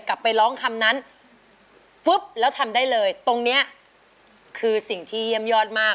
กลับไปร้องคำนั้นปุ๊บแล้วทำได้เลยตรงเนี้ยคือสิ่งที่เยี่ยมยอดมาก